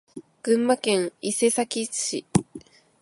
群馬県伊勢崎市